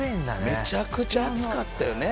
「めちゃくちゃ熱かったよね」